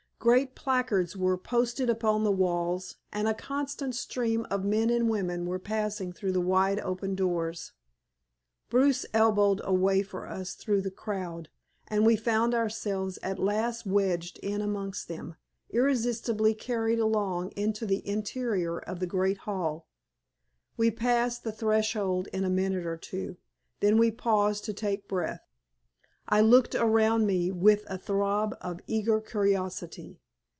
Great placards were posted upon the walls, and a constant stream of men and women were passing through the wide open doors. Bruce elbowed a way for us through the crowd, and we found ourselves at last wedged in amongst them, irresistibly carried along into the interior of the great hall. We passed the threshold in a minute or two. Then we paused to take breath. I looked around me with a throb of eager curiosity.